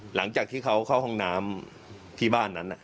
หลังจากที่เขาเข้าห้องน้ำที่บ้านนั้น